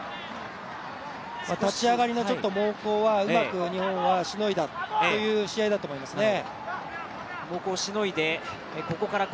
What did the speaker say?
立ち上がりの猛攻はうまく日本はしのいだという試合だと思いますね。